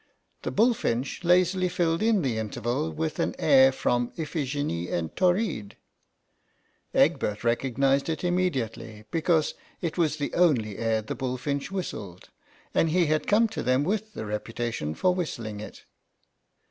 The bullfinch lazily filled in the interval with an air from IphigMie en Tauride, Egbert recognised it im mediately, because it was the only air the bullfinch whistled, and he had come to them THE RETICENCE OF LADY ANNE 9 with the reputation for whistling it.